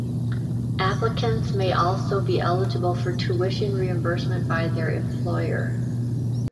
Applicants may also be eligible for tuition reimbursement by their employer.